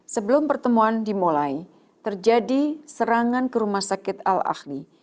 sebelum pertemuan dimulai terjadi serangan ke rumah sakit al ahli